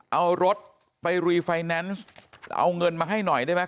เอารถไปรีไฟแนนซ์เอาเงินมาให้หน่อยได้ไหม